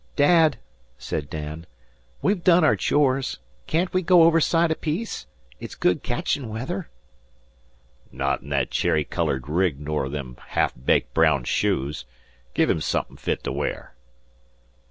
"Dad," said Dan, "we've done our chores. Can't we go overside a piece? It's good catchin' weather." "Not in that cherry coloured rig ner them ha'af baked brown shoes. Give him suthin' fit to wear."